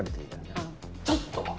ちょっと！